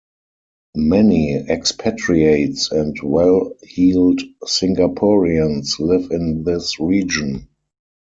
Many expatriates and well-heeled Singaporeans live in this region.